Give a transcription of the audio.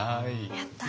やった！